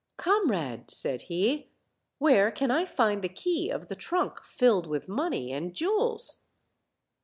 "Com rade," said he, "where can I find the key of the trunk filled with money and jewels?"